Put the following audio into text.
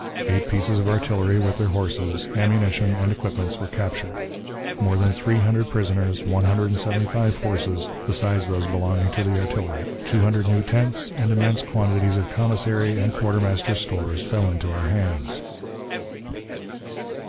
Eight pieces of artillery, with their horses, ammunition, and equipments were captured; more than three hundred prisoners, one hundred and seventy five horses, besides those belonging to the artillery, two hundred new tents, and immense quantities of commissary and quartermaster's stores, fell into our hands.